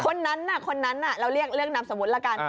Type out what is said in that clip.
คนนั้นน่ะคนนั้นน่ะเราเรียกเรื่องนามสมมติละกัน